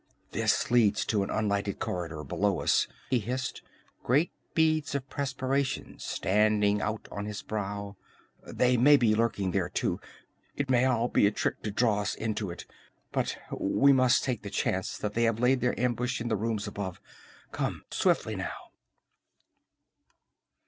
"This leads to an unlighted corridor below us!" he hissed, great beads of perspiration standing out on his brow. "They may be lurking there, too. It may all be a trick to draw us into it. But we must take the chance that they have laid their ambush in the rooms above. Come swiftly, now!"